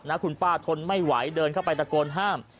คุณป้าทนไม่ไหวเดินเข้าไปตะโกนห้าม